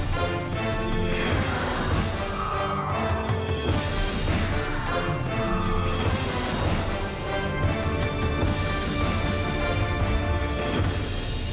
โปรดติดตามตอนต่อไป